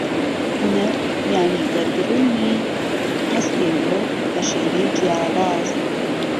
هوونەر یانی دەربڕینی هەستی مرۆڤ بەشێوەی جیاواز